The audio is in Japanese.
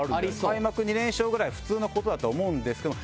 開幕２連勝ぐらい普通のことだと思うんですけど。